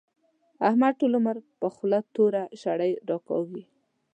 احمد ټول عمر پر خوله توره شړۍ راکاږي.